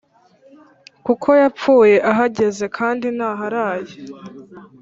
kuko yapfuye ahagaze, kandi ntaharaye